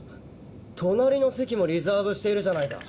隣の席もリザーブしているじゃないか。